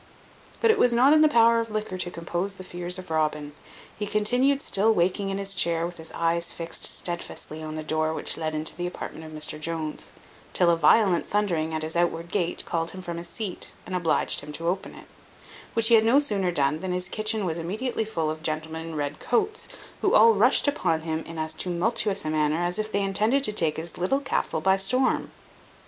But it was not in the power of liquor to compose the fears of Robin. He continued still waking in his chair, with his eyes fixed stedfastly on the door which led into the apartment of Mr Jones, till a violent thundering at his outward gate called him from his seat, and obliged him to open it; which he had no sooner done, than his kitchen was immediately full of gentlemen in red coats, who all rushed upon him in as tumultuous a manner as if they intended to take his little castle by storm.